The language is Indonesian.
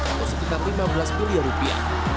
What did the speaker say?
atau sekitar lima belas miliar rupiah